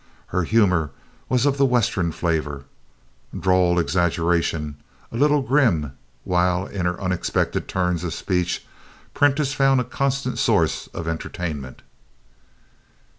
Her humor was of the western flavor droll exaggeration a little grim, while in her unexpected turns of speech, Prentiss found a constant source of entertainment.